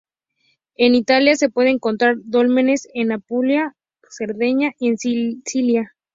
En Italia se puede encontrar dólmenes en Apulia, Cerdeña y en Sicilia.